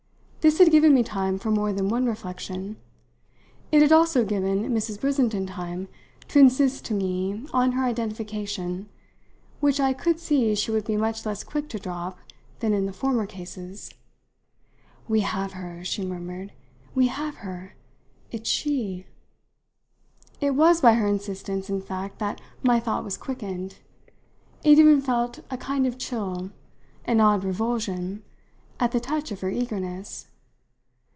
This had given me time for more than one reflection. It had also given Mrs. Brissenden time to insist to me on her identification, which I could see she would be much less quick to drop than in the former cases. "We have her," she murmured; "we have her; it's she!" It was by her insistence in fact that my thought was quickened. It even felt a kind of chill an odd revulsion at the touch of her eagerness.